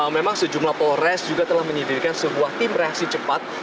memang sejumlah polres juga telah menyediakan sebuah tim reaksi cepat